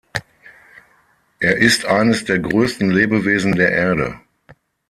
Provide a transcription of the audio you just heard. Er ist eines der größten Lebewesen der Erde.